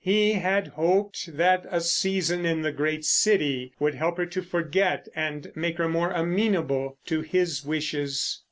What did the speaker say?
He had hoped that a season in the great city would help her to forget and make her more amenable to his wishes.